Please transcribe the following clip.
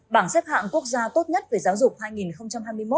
bảng xếp hạng quốc gia tốt nhất về giáo dục hai nghìn hai mươi một